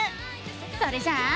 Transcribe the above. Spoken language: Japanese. それじゃあ。